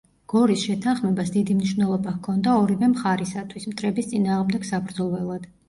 გორის შეთანხმებას დიდი მნიშვნელობა ჰქონდა ორივე მხარისათვის მტრების წინააღმდეგ საბრძოლველად.